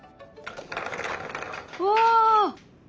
うわ。